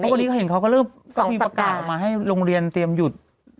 วันนี้เขาเห็นเขาก็เริ่มมีประกาศออกมาให้โรงเรียนเตรียมหยุด